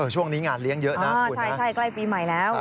ช่วงนี้งานเลี้ยงเยอะนะคุณใช่ใกล้ปีใหม่แล้ว